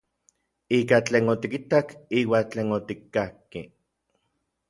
Ika tlen otikitak iuan tlen otikkakki.